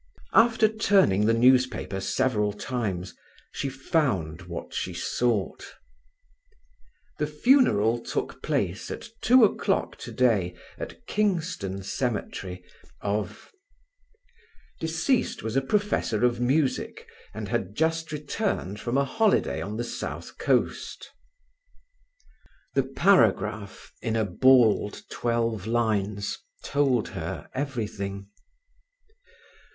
After turning the newspaper several times she found what she sought. "The funeral took place, at two o'clock today at Kingston Cemetery, of ——. Deceased was a professor of music, and had just returned from a holiday on the South Coast…." The paragraph, in a bald twelve lines, told her everything.